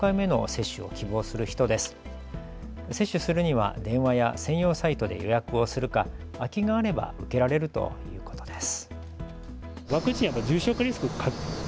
接種するには電話や専用サイトで予約をするか空きがあれば受けられるということです。